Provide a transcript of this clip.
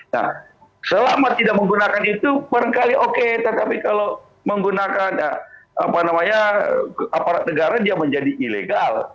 nah selama tidak menggunakan itu barangkali oke tetapi kalau menggunakan aparat negara dia menjadi ilegal